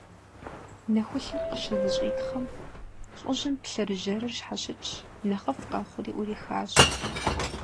Нэхулъэр къыщызэщӀитхъым, лӏыжьым плъыржьэрыр щхьэщыкӀщ, нэхъыфӀ къэхъури Ӏурихащ.